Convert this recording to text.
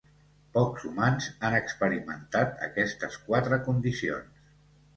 Pocs humans han experimentat aquestes quatre condicions.